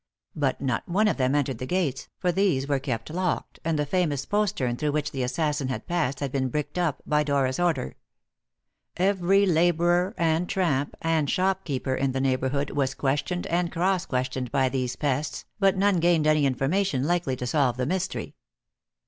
But not one of them entered the gates, for these were kept locked, and the famous postern through which the assassin had passed had been bricked up, by Dora's order. Every labourer and tramp and shopkeeper in the neighbourhood was questioned and cross questioned by these pests, but none gained any information likely to solve the mystery.